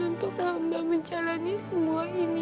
untuk hamba menjalani semua ini